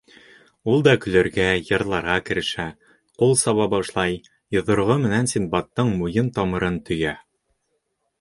Ул да көлөргә, йырларға керешә, ҡул саба башлай, йоҙроғо менән Синдбадтың муйын тамырын төйә.